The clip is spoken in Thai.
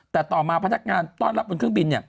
แต่ต่อมาพนักงานต้อนรับบนเครื่องบิน